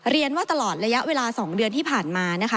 เรียนว่าตลอดระยะเวลา๒เดือนที่ผ่านมานะคะ